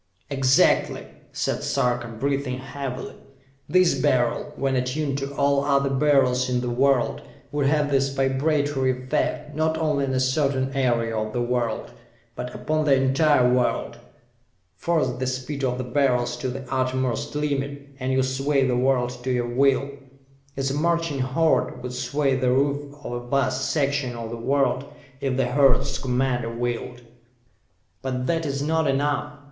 "Exactly!" said Sarka, breathing heavily. "This Beryl, when attuned to all other Beryls in the world, would have this vibratory effect, not only on a certain area of the world but upon the entire world! Force the speed of the Beryls to the uttermost limit, and you sway the world to your will! As a marching horde would sway the roof of a vast section of the world if the horde's commander willed! "But that is not enough!